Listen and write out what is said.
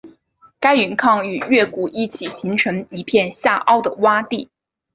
该陨坑与月谷一起形成一片下凹的洼地。